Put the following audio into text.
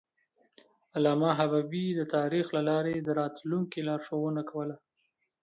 علامه حبیبي د تاریخ له لارې د راتلونکي لارښوونه کوله.